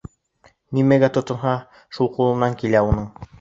Нимәгә тотонһа, шул ҡулынан килә уның.